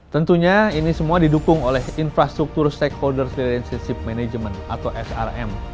tentunya ini semua didukung oleh infrastruktur stakeholders relanciship management atau srm